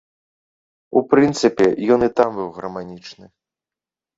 У прынцыпе, ён і там быў гарманічны.